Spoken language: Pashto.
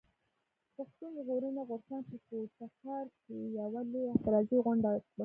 پښتون ژغورني غورځنګ په کوټه ښار کښي يوه لويه اعتراضي غونډه وکړه.